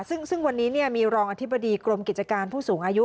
ซึ่งวันนี้มีรองอธิบดีกรมกิจการผู้สูงอายุ